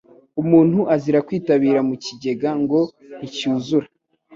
Umuntu azira kwitabira mu kigega, ngo nticyuzura